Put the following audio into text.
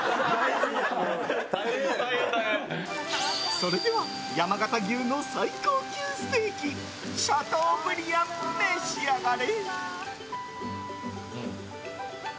それでは山形牛の最高級ステーキシャトーブリアン、召し上がれ。